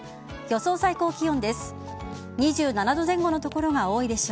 予想最高気温です。